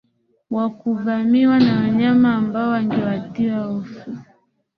wa kuvamiwa na wanyama ambao angewatia hofu